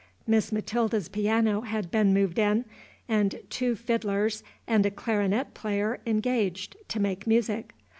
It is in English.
Miss Matilda's piano had been moved in, and two fiddlers and a clarionet player engaged to make music.